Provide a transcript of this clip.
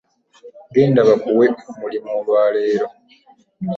Genda bakuwe omulimu olwaleero.